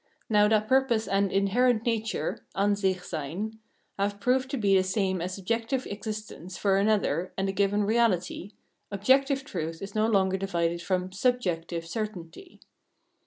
Now that purpose and inherent nature {Ansicliseyn) have Concrete Individuality 383 proved to be the same as objective existence for another and the given reality, [objective] truth is no longer divided from [subjective]' certainty.